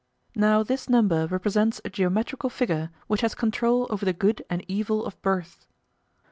Now this number represents a geometrical figure which has control over the good and evil of births.